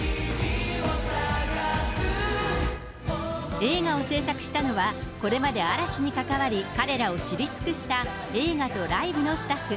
映画を製作したのは、これまで嵐に関わり、彼らを知り尽くした映画とライブのスタッフ。